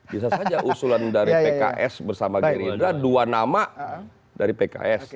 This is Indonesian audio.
bisa saja usulan dari pks bersama gerindra dua nama dari pks